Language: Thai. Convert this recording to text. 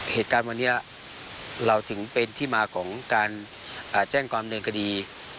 เหตุการณ์วันนี้เราถึงเป็นที่มาของการแจ้งความเดินคดี